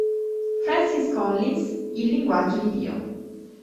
Francis Collins, "Il linguaggio di Dio.